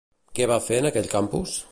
Què va fer en aquell campus?